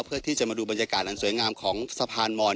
เพื่อที่จะมาดูบรรยากาศอันสวยงามของสะพานมอน